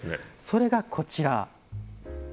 それがこちら。